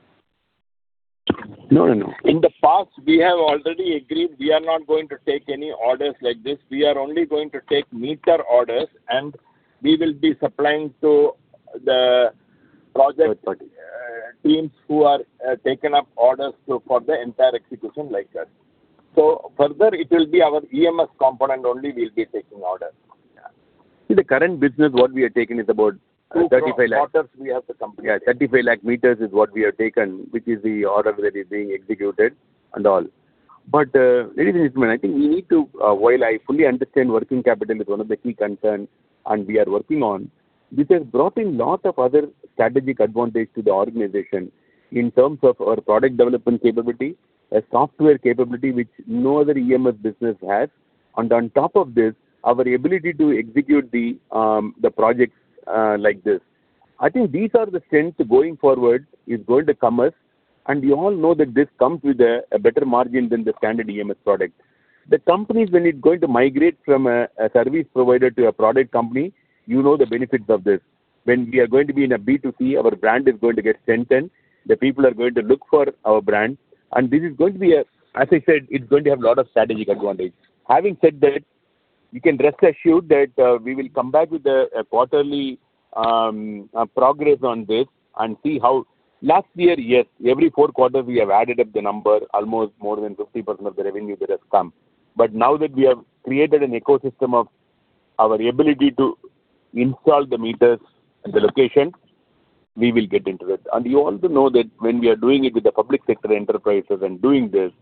No, no. In the past, we have already agreed we are not going to take any orders like this. We are only going to take meter orders, and we will be supplying to the project. Third party. Teams who are taken up orders to, for the entire execution like that. Further it will be our EMS component only we'll be taking orders. See the current business what we are taking is about INR 35 lakh. Two, three quarters we have to complete. Yeah. 35 lakh meters is what we have taken, which is the order that is being executed and all. Ladies and gentlemen, I think we need to, while I fully understand working capital is one of the key concerns and we are working on, this has brought in lot of other strategic advantage to the organization in terms of our product development capability, a software capability which no other EMS business has, and on top of this, our ability to execute the projects like this. I think these are the strengths going forward is going to come us, and you all know that this comes with a better margin than the standard EMS product. The companies when it's going to migrate from a service provider to a product company, you know the benefits of this. When we are going to be in a B2C, our brand is going to get strengthened. The people are going to look for our brand, and this is going to be. As I said, it's going to have a lot of strategic advantage. Having said that, you can rest assured that, we will come back with a quarterly progress on this and see how. Last year, yes, every four quarters we have added up the number almost more than 50% of the revenue that has come. Now that we have created an ecosystem of our ability to install the meters at the location, we will get into it. You also know that when we are doing it with the public sector enterprises and doing this,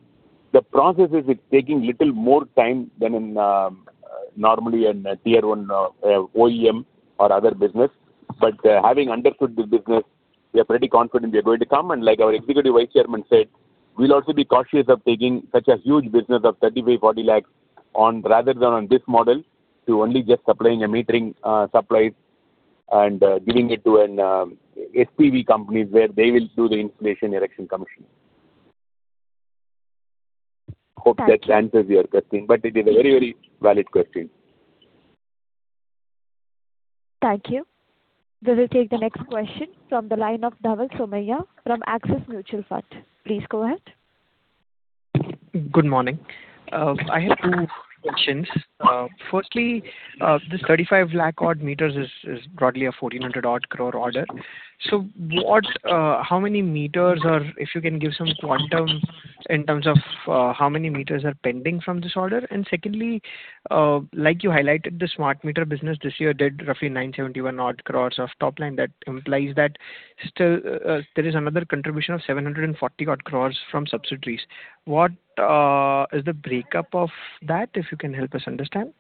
the processes is taking little more time than in normally in a tier 1 OEM or other business. Having understood this business, we are pretty confident we are going to come, and like our Executive Vice Chairman said, we'll also be cautious of taking such a huge business of 35 lakh-40 lakh on rather than on this model to only just supplying a metering supplies and giving it to an SPV companies where they will do the installation, erection, commissioning. Thank you. Hope that answers your question, but it is a very, very valid question. Thank you. We will take the next question from the line of Dhaval Somaiya from Axis Mutual Fund. Please go ahead. Good morning. I have two questions. Firstly, this 35 lakh odd meters is broadly an 1,400 odd crore order. What, if you can give some quantum in terms of, how many meters are pending from this order? Secondly, like you highlighted the Smart Meter business this year did roughly 971 odd crores of top line. That implies that still, there is another contribution of 740 odd crores from subsidiaries. What is the breakup of that, if you can help us understand?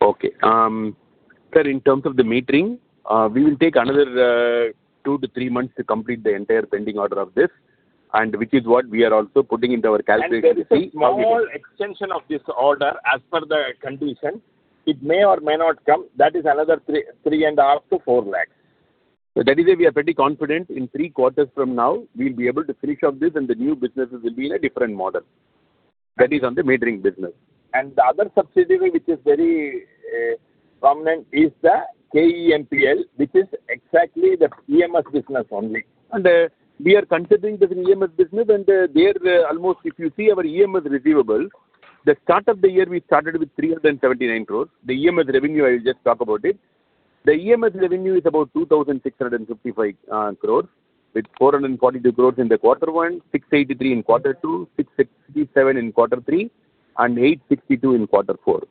Okay. Sir, in terms of the metering, we will take another two to three months to complete the entire pending order of this, and which is what we are also putting into our calculator to see. There is a small extension of this order as per the condition. It may or may not come. That is another 3.5-4 lakh. That is why we are pretty confident in three quarters from now we'll be able to finish off this and the new businesses will be in a different model. That is on the metering business. The other subsidiary which is very prominent is the KEMPL, which is exactly the EMS business only. We are considering this EMS business there almost if you see our EMS receivable, the start of the year we started with 379 crores. The EMS revenue, I will just talk about it. The EMS revenue is about 2,655 crores, with 442 crores in the quarter one, 683 crores in quarter two, 667 crores in quarter three, and 862 crores in quarter four.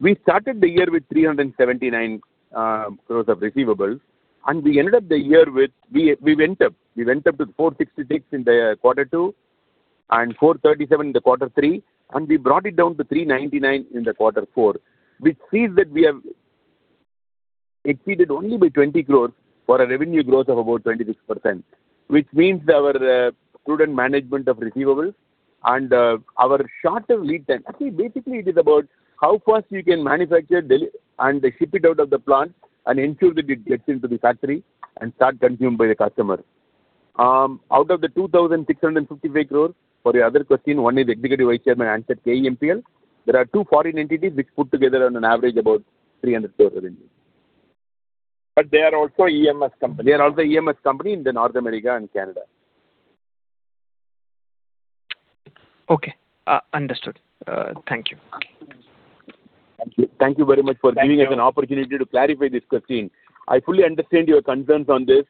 We started the year with 379 crores of receivables, and we ended up the year with We went up. We went up to 466 in the quarter two and 437 in the quarter three, we brought it down to 399 in the quarter four, which sees that we have exceeded only by 20 crore for a revenue growth of about 26%, which means our prudent management of receivables and our shorter lead time. Actually, basically it is about how fast we can manufacture and ship it out of the plant and ensure that it gets into the factory and start consumed by the customer. Out of the 2,655 crore, for your other question, one is Executive Vice Chairman answered KEMPL. There are two foreign entities which put together on an average about 300 crore revenue. They are also EMS company. They are also EMS company in the North America and Canada. Okay. Understood. Thank you. Thank you. Thank you very much for giving us an opportunity to clarify this question. I fully understand your concerns on this,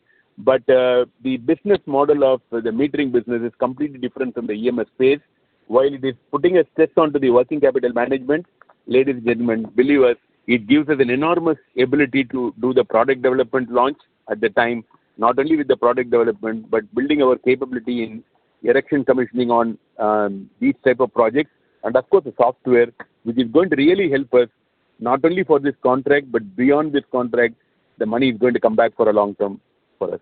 the business model of the metering business is completely different from the EMS space. While it is putting a stress onto the working capital management, ladies and gentlemen, believe us, it gives us an enormous ability to do the product development launch at the time, not only with the product development, but building our capability in erection commissioning on these type of projects. Of course, the software, which is going to really help us not only for this contract, but beyond this contract, the money is going to come back for a long term for us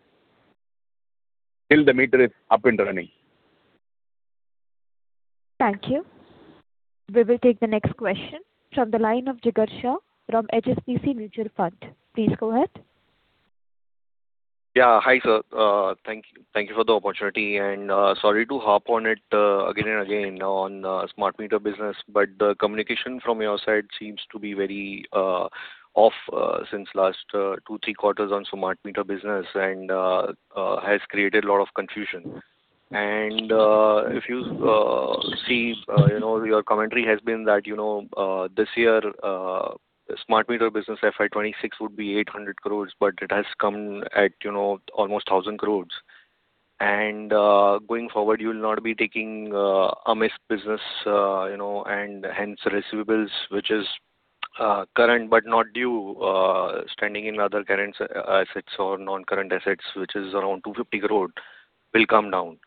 till the meter is up and running. Thank you. We will take the next question from the line of Jigar Shah from HSBC Mutual Fund. Please go ahead. Yeah. Hi, sir. Thank you for the opportunity and sorry to harp on it again and again on Smart Meter business, but the communication from your side seems to be very off since last two, three quarters on Smart Meter business and has created a lot of confusion. If you see, you know, your commentary has been that, you know, this year, Smart Meter business FY 2026 would be 800 crore, but it has come at, you know, almost 1,000 crore. Going forward, you will not be taking AMISP business, you know, and hence receivables, which is current but not due, standing in other current assets or non-current assets, which is around 250 crore will come down.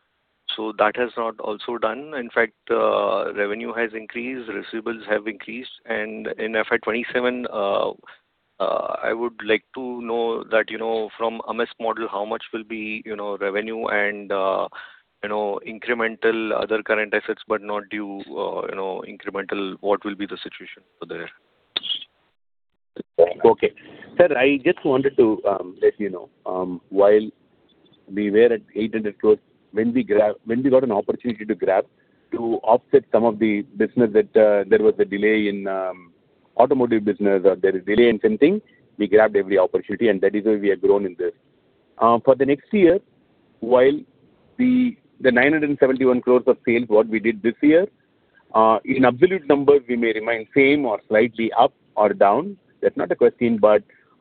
That has not also done. In fact, revenue has increased, receivables have increased. In FY 2027, I would like to know that, you know, from AMISP model, how much will be, you know, revenue and, you know, incremental other current assets but not due, you know, incremental, what will be the situation for the year? Okay. Sir, I just wanted to let you know, while we were at 800 crores, when we got an opportunity to grab to offset some of the business that there was a delay in automotive business or there is delay in something, we grabbed every opportunity. That is why we have grown in this. For the next year, while the 971 crores of sales, what we did this year, in absolute numbers, we may remain same or slightly up or down. That's not a question.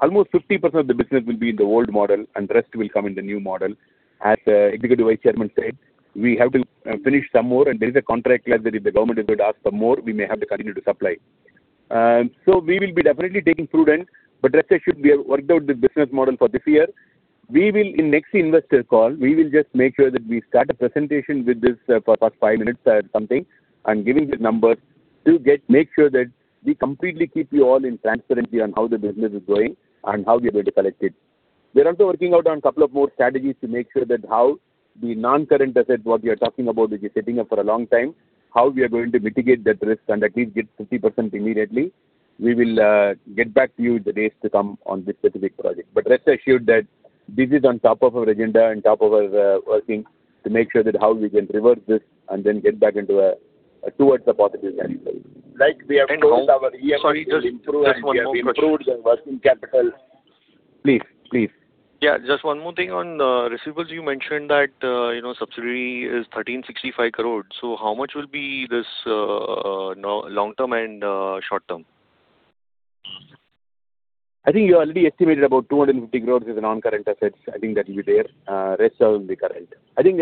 Almost 50% of the business will be in the old model. The rest will come in the new model. As Executive Vice Chairman said, we have to finish some more, and there is a contract clause that if the government is going to ask for more, we may have to continue to supply. We will be definitely taking prudent, rest assured we have worked out the business model for this year. We will in next investor call, we will just make sure that we start a presentation with this, for first five minutes or something and giving the numbers to make sure that we completely keep you all in transparency on how the business is going and how we are going to collect it. We are also working out on couple of more strategies to make sure that how the non-current asset, what we are talking about, which is sitting up for a long time, how we are going to mitigate that risk and at least get 50% immediately. We will get back to you the days to come on this specific project. Rest assured that this is on top of our agenda and top of our working to make sure that how we can reverse this and then get back into towards the positive territory. Like we have closed our EMS business. Sorry, just one more question. We have improved our working capital. Please. Yeah, just one more thing on receivables. You mentioned that, you know, subsidiary is 1,365 crore. How much will be this, long term and, short term? I think you already estimated about 250 crore is the non-current assets. I think that will be there. Rest are in the current. I think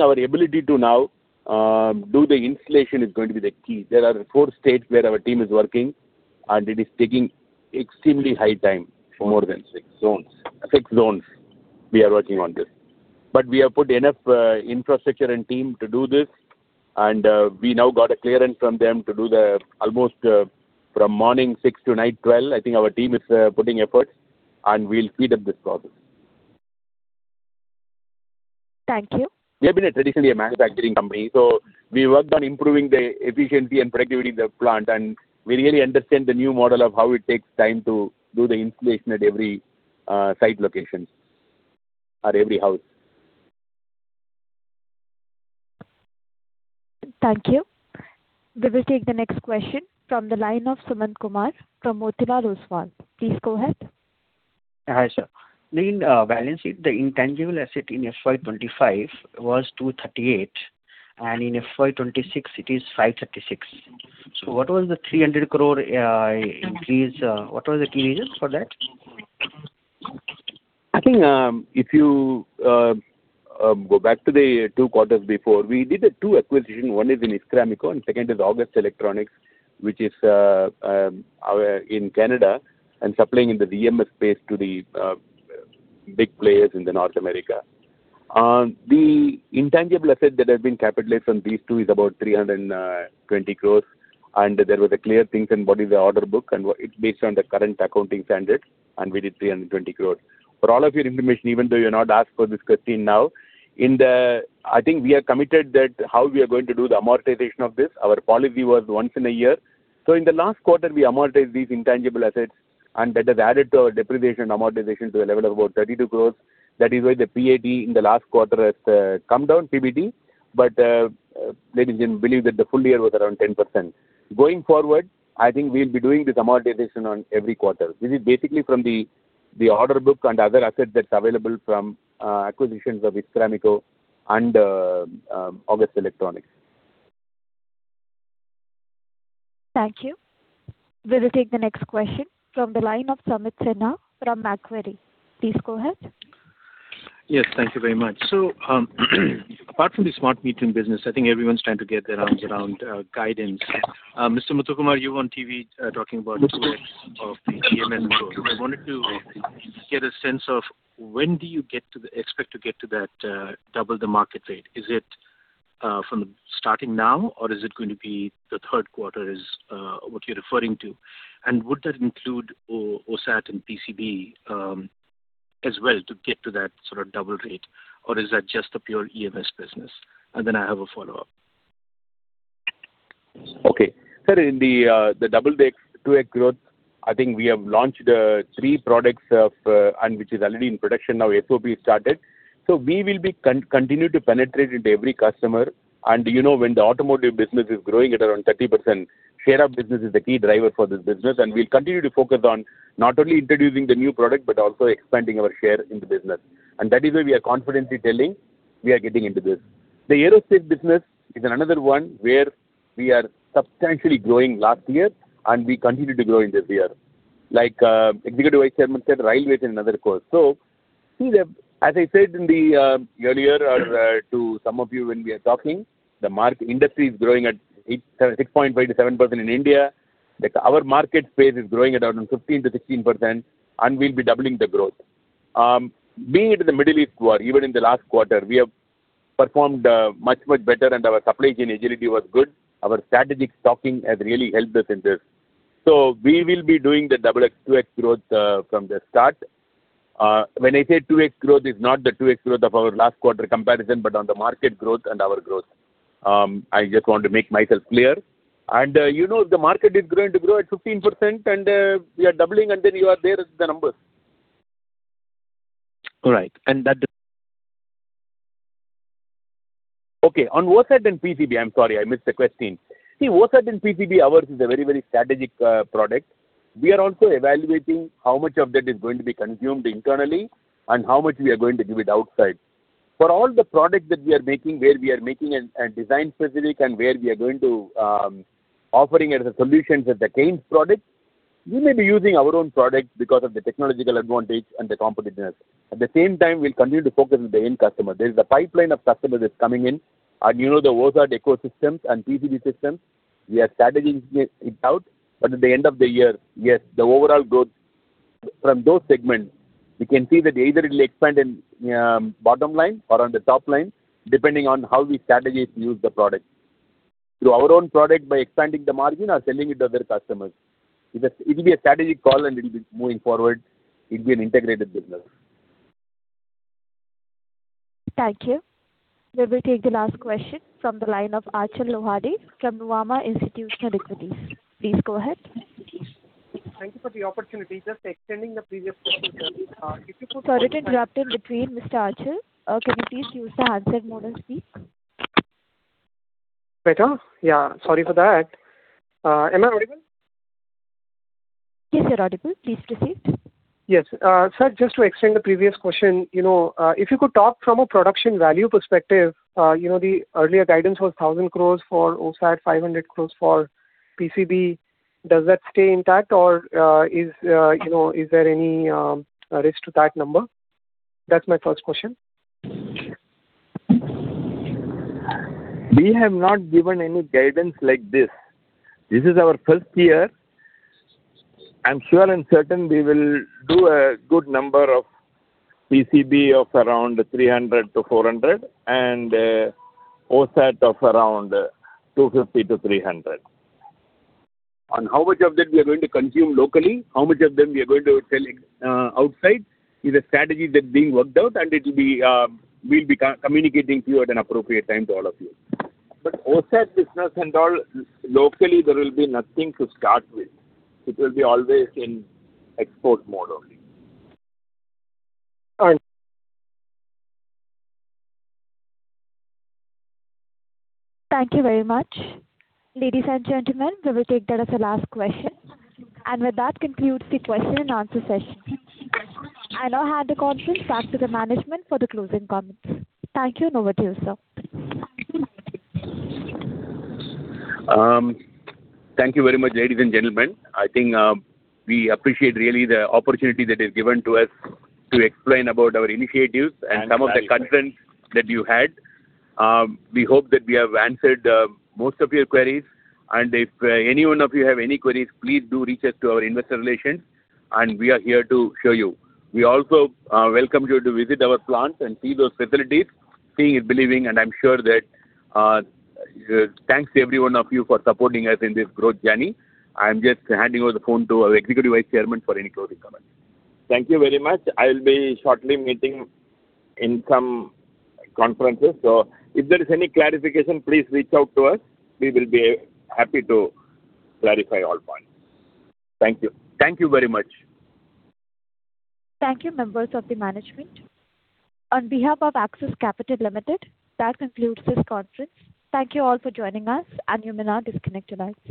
our ability to now do the installation is going to be the key. There are four states where our team is working, and it is taking extremely high time for more than six zones. Six zones we are working on this. We have put enough infrastructure and team to do this, and we now got a clearance from them to do the almost from morning six to night 12. I think our team is putting efforts and we'll speed up this process. Thank you. We have been a traditionally a manufacturing company. We worked on improving the efficiency and productivity of the plant. We really understand the new model of how it takes time to do the installation at every site location or every house. Thank you. We will take the next question from the line of Sumant Kumar from Motilal Oswal. Please go ahead. Hi, sir. In balance sheet, the intangible asset in FY 2025 was 238, and in FY 2026 it is 536. What was the 300 crore increase? What was the key reason for that? I think, if you go back to the two quarters before, we did two acquisitions. One is in Iskraemeco and second is August Electronics, which is our in Canada and supplying in the EMS space to the big players in the North America. The intangible asset that has been capitalized from these two is about 320 crore, and there was a clear things in what is the order book and it's based on the current accounting standards, and we did 320 crore. For all of your information, even though you have not asked for this question now, I think we are committed that how we are going to do the amortization of this. Our policy was once in a year. In the last quarter we amortized these intangible assets, and that has added to our depreciation amortization to a level of about 32 crores. That is why the PAT in the last quarter has come down, PBT. Ladies and gentlemen, believe that the full year was around 10%. Going forward, I think we'll be doing this amortization on every quarter. This is basically from the order book and other assets that's available from acquisitions of Iskraemeco and August Electronics. Thank you. We will take the next question from the line of Sumit Sinha from Macquarie. Please go ahead. Yes, thank you very much. Apart from the Smart Metering business, I think everyone's trying to get their arms around guidance. Mr. Muthukumar, you were on TV, talking about 2x of the EMS growth. I wanted to get a sense of when do you expect to get to that double the market rate? Is it from starting now or is it going to be the third quarter is what you're referring to? Would that include OSAT and PCB as well to get to that sort of double rate, or is that just a pure EMS business? Then I have a follow-up. Okay. Sir, in the double the, 2x growth, I think we have launched three products, and which is already in production now, SOP started. We will continue to penetrate into every customer. You know, when the automotive business is growing at around 30%, share of business is the key driver for this business. We will continue to focus on not only introducing the new product but also expanding our share in the business. That is why we are confidently telling we are getting into this. The aerospace business is another one where we are substantially growing last year and we continue to grow in this year. Like, Executive Vice Chairman said, railway is another course. As I said in the earlier or to some of you when we are talking, the industry is growing at 6.5%-7% in India. Our market space is growing at around 15%-16%, and we'll be doubling the growth. Being into the Middle East war, even in the last quarter, we have performed much, much better and our supply chain agility was good. Our strategic stocking has really helped us in this. We will be doing the double X, 2x growth from the start. When I say 2x growth, it's not the 2x growth of our last quarter comparison, but on the market growth and our growth. I just want to make myself clear. You know, if the market is going to grow at 15% and we are doubling, and then you are there with the numbers. All right. Okay. On OSAT and PCB, I'm sorry, I missed the question. OSAT and PCB, ours is a very, very strategic product. We are also evaluating how much of that is going to be consumed internally and how much we are going to give it outside. For all the product that we are making, where we are making a design specific and where we are going to offering as a solutions with the Kaynes product, we may be using our own product because of the technological advantage and the competitiveness. At the same time, we'll continue to focus with the end customer. There is a pipeline of customers that's coming in and, you know, the OSAT ecosystems and PCB systems, we are strategizing it out. At the end of the year, yes, the overall growth from those segments, we can see that either it will expand in bottom line or on the top line, depending on how we strategize to use the product. Through our own product by expanding the margin or selling it to other customers. It'll be a strategic call and it'll be moving forward. It'll be an integrated business. Thank you. We will take the last question from the line of Achal Lohade from Nuvama Institutional Equities. Please go ahead. Thank you for the opportunity. Just extending the previous question, sir. Sorry to interrupt in between, Mr. Achal. Can you please use the handset mode and speak? Better? Yeah, sorry for that. Am I audible? Yes, you're audible. Please proceed. Yes. sir, just to extend the previous question, you know, if you could talk from a production value perspective, you know, the earlier guidance was 1,000 crores for OSAT, 500 crores for PCB. Does that stay intact or, is, you know, is there any risk to that number? That's my first question. We have not given any guidance like this. This is our first year. I'm sure and certain we will do a good number of PCB of around 300-400 and OSAT of around 250-300. How much of that we are going to consume locally, how much of them we are going to sell outside is a strategy that being worked out. We'll be co-communicating to you at an appropriate time to all of you. OSAT business and all, locally there will be nothing to start with. It will be always in export mode only. All right. Thank you very much. Ladies and gentlemen, we will take that as the last question. With that concludes the question and answer session. I now hand the conference back to the management for the closing comments. Thank you, and over to you, sir. Thank you very much, ladies and gentlemen. I think, we appreciate really the opportunity that is given to us to explain about our initiatives and some of the concerns that you had. We hope that we have answered most of your queries. If any one of you have any queries, please do reach out to our investor relations, and we are here to show you. We also welcome you to visit our plants and see those facilities. Seeing is believing, and I'm sure that Thanks to every one of you for supporting us in this growth journey. I'm just handing over the phone to our Executive Vice Chairman for any closing comments. Thank you very much. I'll be shortly meeting in some conferences. If there is any clarification, please reach out to us. We will be happy to clarify all points. Thank you. Thank you very much. Thank you, members of the management. On behalf of Axis Capital Limited, that concludes this conference. Thank you all for joining us, and you may now disconnect your lines.